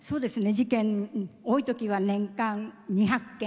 事件、多いときは年間２００件。